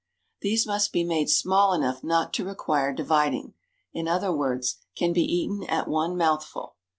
_ These must be made small enough not to require dividing in other words, can be eaten at one mouthful.